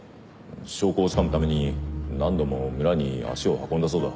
証拠をつかむために何度も村に足を運んだそうだ。